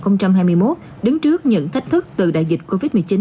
năm hai nghìn hai mươi một đứng trước những thách thức từ đại dịch covid một mươi chín